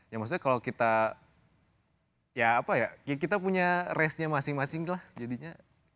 ya maksudnya kalau kita ya apa ya kita punya race nya masing masing lah jadinya